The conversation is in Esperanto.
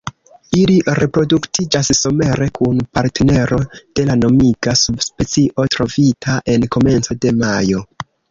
Ili reproduktiĝas somere, kun partnero de la nomiga subspecio trovita en komenco de majo.